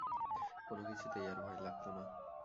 কোনোকিছুতেই আর ভয় লাগত না।